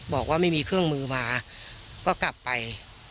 บอกว่าไม่มีเครื่องมือมาก็กลับไป